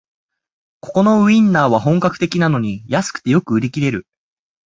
ここのウインナーは本格的なのに安くてよく売り切れる